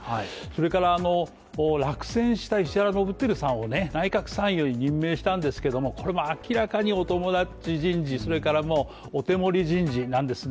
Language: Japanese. それからあの、落選した石原伸晃さんをね、内閣参与に任命したんですけどもこれも明らかにお友達人事それからもうお手盛り人事なんですね。